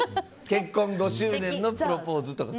結婚５周年のプロポーズとか。